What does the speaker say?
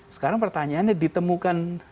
sekarang pertanyaannya ditemukan